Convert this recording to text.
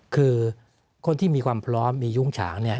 คือคนที่มีความพร้อมมียุ้งฉางเนี่ย